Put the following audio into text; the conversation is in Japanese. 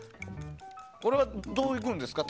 これは、どういくんですか？